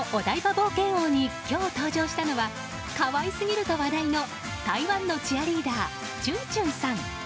冒険王に今日、登場したのは可愛すぎると話題の、台湾のチアリーダー、チュンチュンさん。